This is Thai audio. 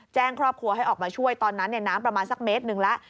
แจ้งครอบครัวให้ออกมาช่วยตอนนั้นน้ำประมาณสักเมตรหนึ่งแล้ว